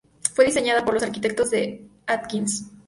Fue diseñada por los arquitectos de Atkins.